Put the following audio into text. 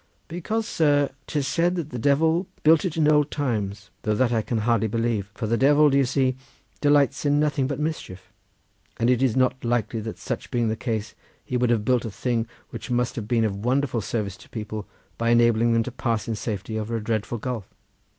"Because, sir, 'tis said that the Devil built it in the old time, though that I can hardly believe, for the Devil, do ye see, delights in nothing but mischief, and it is not likely that such being the case he would have built a thing which must have been of wonderful service to people by enabling them to pass in safety over a dreadful gulf."